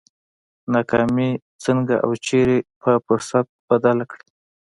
ناکامي څنګه او چېرې پر فرصت بدله کړي؟